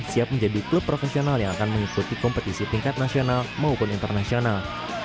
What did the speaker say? siap menjadi klub profesional yang akan mengikuti kompetisi tingkat nasional maupun internasional